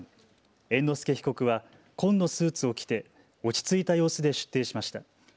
猿之助被告は紺のスーツを着て落ち着いた様子で出廷しました。